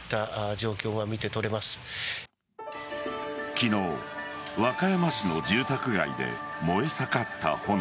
昨日、和歌山市の住宅街で燃え盛った炎。